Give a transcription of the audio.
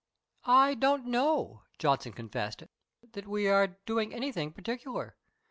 "I don't know," Johnson confessed, "that we are doing anything particular.